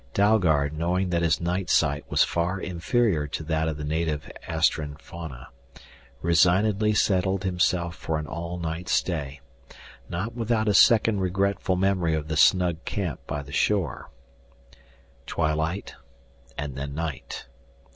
Dalgard, knowing that his night sight was far inferior to that of the native Astran fauna, resignedly settled himself for an all night stay, not without a second regretful memory of the snug camp by the shore. Twilight and then night.